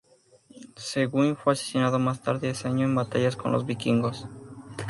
Seguin fue asesinado más tarde ese año en batalla con los Vikingos.